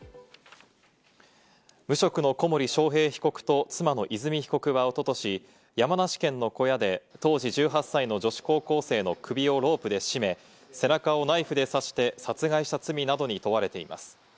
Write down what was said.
無職の小森章平被告と妻の和美被告はおととし、山梨県の小屋で、当時１８歳の女子高校生の首をロープで絞め、背中をナイフで刺して殺害した罪などに問われています。